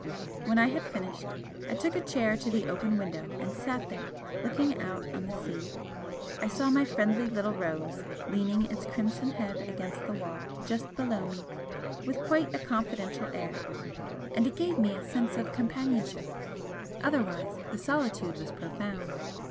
When I had finished, I took a chair to the open window and sat there, looking out on the sea. I saw my friendly little rose leaning its crimson head against the wall just below me with quite a confidential air, and it gave me a sense of companionship, otherwise the solitude was profound.